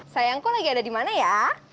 sayangku lagi ada dimana ya